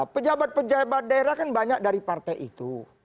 pejabat pejabat daerah kan banyak dari partai itu